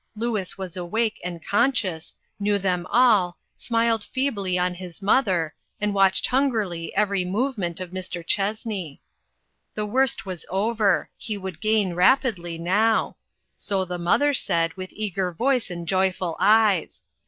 Louis was awake and conscious, knew them all, smiled feebly on his mother, and watched hungrily every movement of Mr. Chessney. The worst was over ; he would gain rap idly now. So the mother said, with eager voice and joyful eyes.